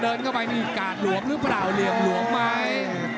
พอเดินเข้าไปกาลหลวงลื่อป๋อ่าวเหลี่ยงหลวงไม้